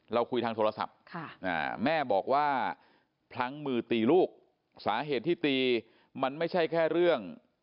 คุยทางโทรศัพท์แม่บอกว่าพลั้งมือตีลูกสาเหตุที่ตีมันไม่ใช่แค่เรื่อง